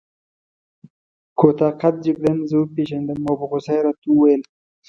کوتاه قد جګړن زه وپېژندم او په غوسه يې راته وکتل.